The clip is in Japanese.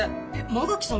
馬垣さん